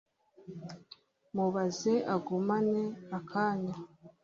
Mubaze agumane akanya